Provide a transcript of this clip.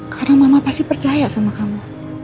karena mama pasti percaya sama kamu